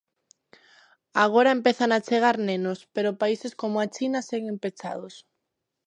Agora empezan a chegar nenos, pero países como a China seguen pechados.